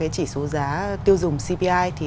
chỉ số giá tiêu dùng cpi